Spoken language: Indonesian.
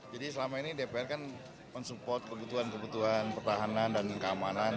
jadi selama ini dpr kan men support kebutuhan kebutuhan pertahanan dan keamanan